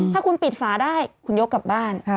ถ้าคุณปิดฝาได้คุณยกกลับบ้าน